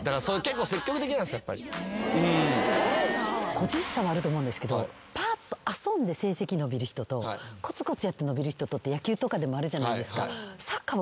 個人差はあると思うんですけどパーッと遊んで成績伸びる人とコツコツやって伸びる人とって野球とかでもあるじゃないですか。